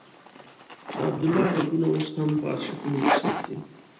د عبدالله غږونه اوس هم په آرشیفونو کې ثبت دي.